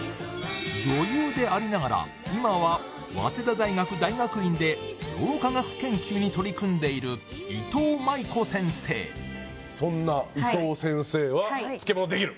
女優でありながら今は早稲田大学大学院で老化学研究に取り組んでいるそんないとう先生は漬物「できる」？